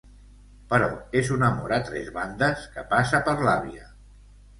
Però és un amor a tres bandes, que passa per l'àvia.